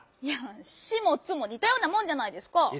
いや「シ」も「ツ」もにたようなもんじゃないですか。